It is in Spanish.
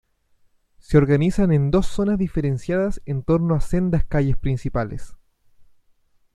Se organiza en dos zonas diferenciadas en torno a sendas calles principales.